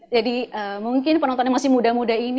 jadi mungkin penonton yang masih muda muda ini